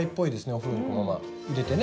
お風呂にこのまま入れてね。